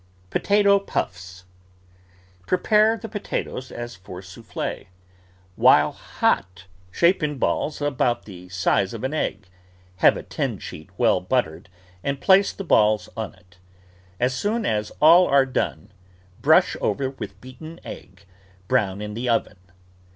POTATO PUFFS Prepare the potatoes as for souffle. While hot, shape in balls about the size of an egg; have a tin sheet well buttered and place the balls on it. As soon as all are done, brush over with beaten egg; brown in the oven.